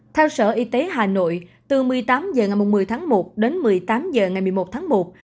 theo sở y tế hà nội từ một mươi tám h ngày một mươi tháng một đến một mươi tám h ngày một mươi một tháng một